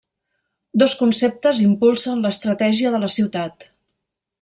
Dos conceptes impulsen l'estratègia de la ciutat.